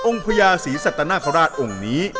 องค์พญาศีสัตนาคราชองค์นี้